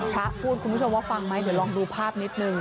พระพูดคุณผู้ชมว่าฟังไหมเดี๋ยวลองดูภาพนิดนึง